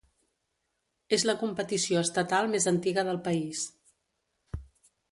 És la competició estatal més antiga del país.